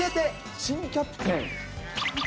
新キャプテン！